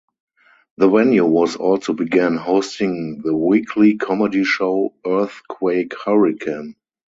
The venue also began hosting the weekly comedy show "Earthquake Hurricane".